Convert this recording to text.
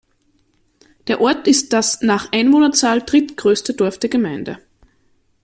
Der Ort ist das nach Einwohnerzahl drittgrößte Dorf der Gemeinde.